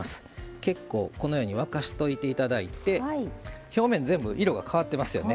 結構このように沸かしておいていただいて表面全部色が変わってますよね。